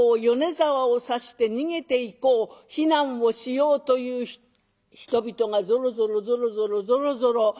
米沢を指して逃げていこう避難をしようという人々がぞろぞろぞろぞろぞろぞろ。